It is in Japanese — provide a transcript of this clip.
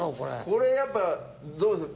これやっぱどうですか？